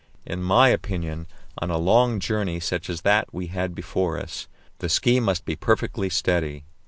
In my opinion, on a long journey such as that we had before us, the ski must be perfectly steady.